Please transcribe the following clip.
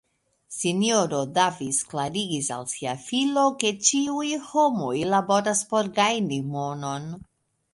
S-ino Davis klarigis al sia filo, ke ĉiuj homoj laboras por gajni monon.